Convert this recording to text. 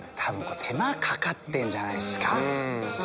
手間かかってんじゃないっすか？